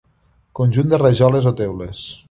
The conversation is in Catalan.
Conjunt de rajoles o teules.